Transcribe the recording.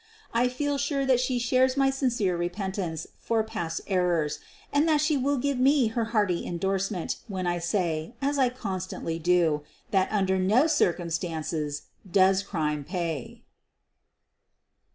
I feel sure that she shares my sincere repentance for past errors, and that she will give me her hearty indorsement when I say, as I constantly do, that un der no circumstances does crime pay.